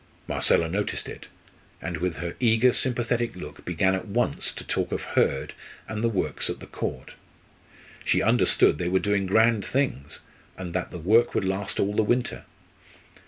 Marcella noticed it; and with her eager sympathetic look began at once to talk of Hurd and the works at the Court. She understood they were doing grand things, and that the work would last all the winter.